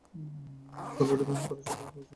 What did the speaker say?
গল্পটি প্রমাণ করার জন্য আমার কয়েকজন সাক্ষী প্রয়োজন।